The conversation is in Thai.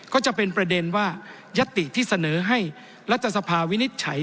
ก็จะเป็นประเด็นว่ายัตติที่เสนอให้รัฐสภาวินิจฉัย